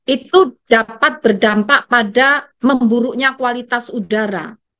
itu dapat berdampak pada memburuknya kualitas udara